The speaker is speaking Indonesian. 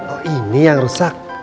oh ini yang rusak